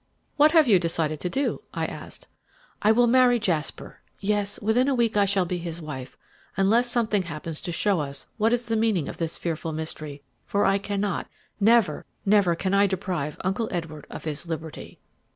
"What have you decided to do?" I asked. "I will marry Jasper; yes, within a week I shall be his wife, unless something happens to show us what is the meaning of this fearful mystery, for I cannot never, never can I deprive Uncle Edward of his liberty."